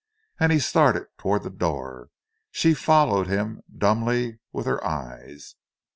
And he started toward the door. She followed him dumbly with her eyes.